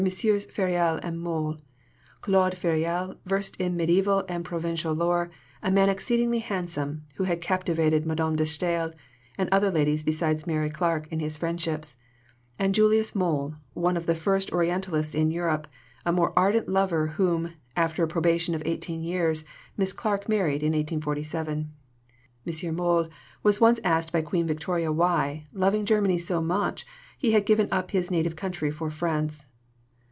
Fauriel and Mohl Claude Fauriel, versed in mediæval and Provençal lore, a man exceedingly handsome, who had captivated Madame de Staël and other ladies besides Mary Clarke in his friendships; and Julius Mohl, one of the first Orientalists in Europe, a more ardent lover whom, after a probation of eighteen years, Miss Clarke married in 1847. M. Mohl was once asked by Queen Victoria why, loving Germany so much, he had given up his native country for France.